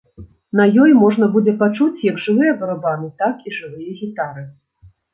На ёй можна будзе пачуць як жывыя барабаны, так і жывыя гітары.